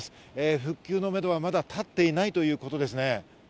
復旧のめどはまだ立っていないということですね。